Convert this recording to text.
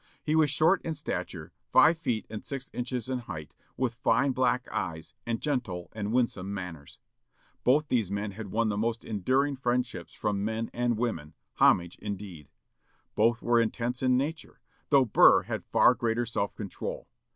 He was short in stature, five feet and six inches in height; with fine black eyes, and gentle and winsome manners. Both these men won the most enduring friendships from men and women homage indeed. Both were intense in nature, though Burr had far greater self control.